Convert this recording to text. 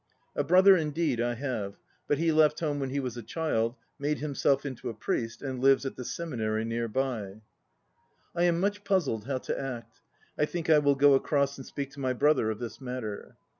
A brother indeed I have, but he left home when he was a child, made himself into a priest, and lives at the seminary near by. I am much puzzled how to act. I think I will go across and speak to my brother of this matter.